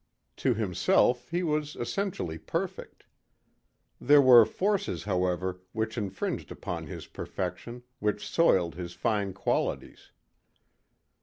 To himself he was essentially perfect. There were forces, however, which infringed upon his perfection, which soiled his fine qualities.